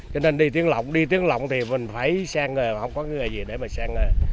cho nên đi tuyến lộng đi tuyến lộng thì mình phải sang ngờ mà không có người gì để mà sang ngờ